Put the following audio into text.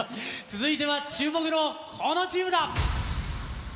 続いては注目のこのチームだ。